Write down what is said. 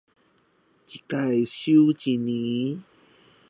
一次收一年